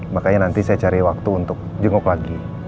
makanya nanti saya cari waktu untuk jenguk lagi